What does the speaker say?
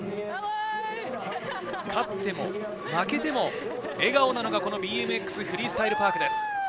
勝っても負けても、笑顔なのがＢＭＸフリースタイル・パークです。